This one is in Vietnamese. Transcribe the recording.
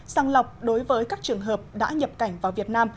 sàng lọc đối với các trường hợp đã nhập cảnh vào việt nam